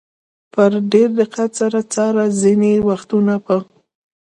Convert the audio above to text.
په ډېر دقت سره څاره، ځینې وختونه به.